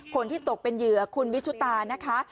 คนที่ตกเป็นเหยื่อคุณวิชุตานะคะ